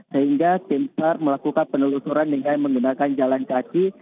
sehingga tim sar melakukan penelusuran dengan menggunakan jalan kaki